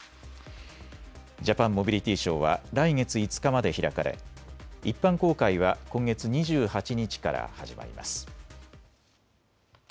ジャパンモビリティショーは来月５日まで開かれ一般公開は今月２８日から始まります。